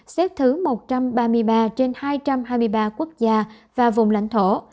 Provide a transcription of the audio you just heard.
xếp thứ một trăm ba mươi ba trên hai trăm hai mươi ba quốc gia và vùng lãnh thổ